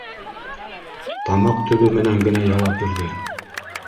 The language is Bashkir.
Тамаҡ төбө менән генә яуап бирҙе: